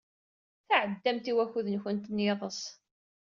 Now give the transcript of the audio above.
Tɛeddamt i wakud-nwent n yiḍes.